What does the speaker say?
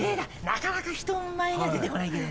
なかなか人前には出てこないけど。